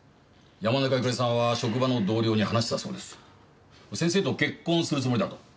山中由佳里さんは職場の同僚に話したそうです先生と結婚するつもりだと。